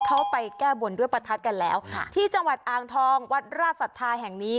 เขาไปแก้บนด้วยประทัดกันแล้วค่ะที่จังหวัดอ่างทองวัดราชศรัทธาแห่งนี้